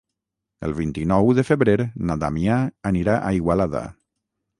El vint-i-nou de febrer na Damià anirà a Igualada.